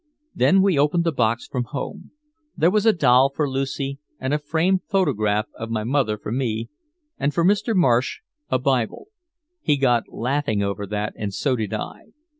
Then we opened the box from home. There was a doll for Lucy and a framed photograph of my mother for me and for Mr. Marsh a Bible. He got laughing over that and so did I.